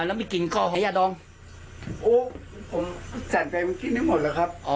เอาแล้วมีกลิ่นกล้องให้ยาดองโอ้ผมสั่นไปมันกินได้หมดแล้วครับ